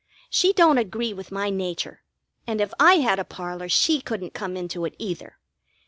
She don't agree with my nature, and if I had a parlor she couldn't come into it either.